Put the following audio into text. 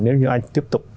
nếu như anh tiếp tục